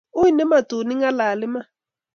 ou nemutun ing'alal iman